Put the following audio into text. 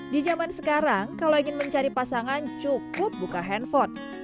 di zaman sekarang kalau ingin mencari pasangan cukup buka handphone